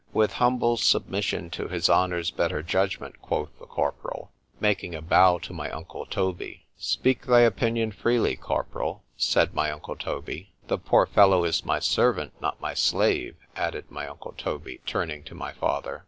With humble submission to his honour's better judgment, quoth the corporal, making a bow to my uncle Toby—Speak thy opinion freely, corporal, said my uncle Toby.—The poor fellow is my servant,—not my slave,—added my uncle Toby, turning to my father.